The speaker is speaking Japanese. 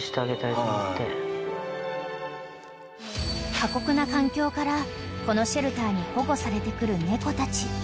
［過酷な環境からこのシェルターに保護されてくる猫たち］